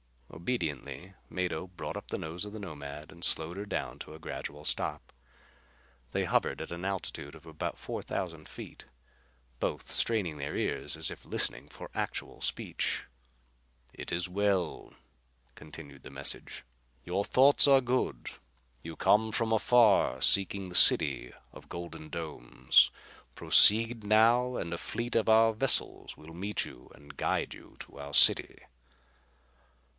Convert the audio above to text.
Obediently Mado brought up the nose of the Nomad and slowed her down to a gradual stop. They hovered at an altitude of about four thousand feet, both straining their ears as if listening for actual speech. "It is well," continued the message. "Your thoughts are good. You come from afar seeking the city of golden domes. Proceed now and a fleet of our vessels will meet you and guide you to our city."